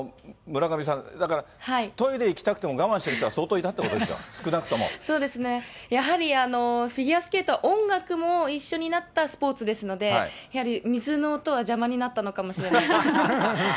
村上さん、だから、トイレ行きたくても我慢してる人が相当いたってことですよ、少なそうですね、やはりフィギュアスケートは音楽も一緒になったスポーツですので、やはり水の音は邪魔になったのかもしれないですね。